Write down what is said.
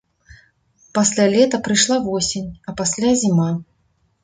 Пасля лета прыйшла восень, а пасля зіма.